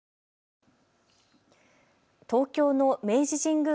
東京の明治神宮